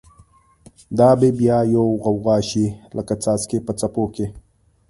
دا به بیا یوه غوغا شی، لکه څاڅکی په څپو کی